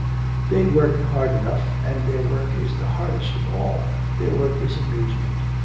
'They work hard enough, and their work is the hardest of all, their work is amusement.